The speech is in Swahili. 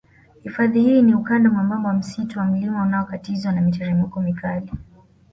Hifadhi hii ni ukanda mwembamba wa msitu wa mlima unaokatizwa na miteremko mikali